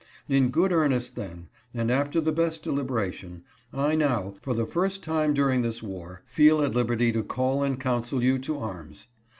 In good earnest, then, and after the best deliberation, I now, for the first time during this war, feel at liberty to call and counsel you to arms.